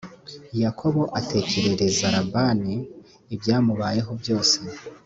yakobo atekerereza labani ibyamubayeho byose